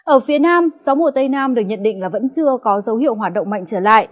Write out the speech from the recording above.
ở phía nam gió mùa tây nam được nhận định là vẫn chưa có dấu hiệu hoạt động mạnh trở lại